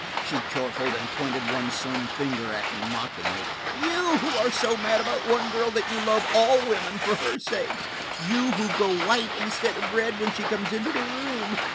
she chortled, and pointed one slim finger at me mockingly. "You, who are so mad about one girl that you love all women for her sake! You, who go white instead of red when she comes into the room!